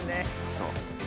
そう。